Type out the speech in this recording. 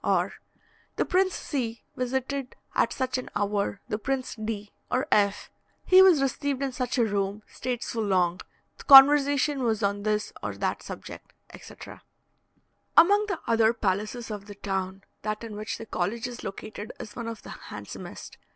Or, "The Prince C. visited at such an hour the Prince D. or F.; he was received in such a room; stayed so long; the conversation was on this or that subject," etc. Among the other palaces of the town, that in which the college is located is one of the handsomest.